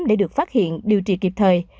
để được phát hiện điều trị kịp thời